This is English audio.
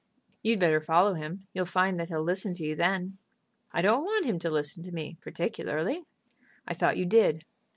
"You'd better follow him. You'll find that he'll listen to you then." "I don't want him to listen to me particularly." "I thought you did."